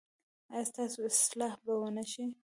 ایا ستاسو اصلاح به و نه شي؟